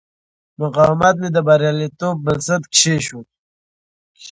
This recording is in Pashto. مقاومت مې د بریالیتوب بنسټ کېښود.